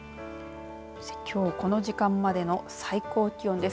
そしてきょうこの時間までの最高気温です。